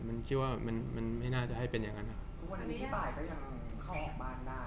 มันคิดว่ามันไม่น่าจะให้เป็นอย่างนั้นครับ